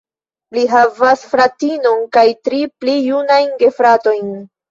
Li havas fratinon kaj tri pli junajn gefratojn.